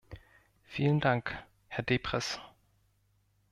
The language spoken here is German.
Vielen Dank, Herr Deprez.